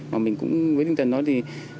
mà mình cũng với tinh thần nói thì